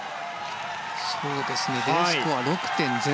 Ｄスコアは６．０。